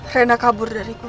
reina kabur dari gue